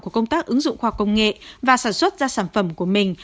của công tác ứng dụng khoa công nghệ và sản xuất ra sản phẩm của mình